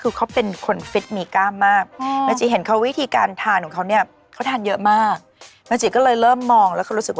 เออจริง